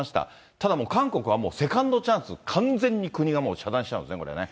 ただ、韓国はセカンドチャンス、完全に国がもう遮断しちゃうんですね、これね。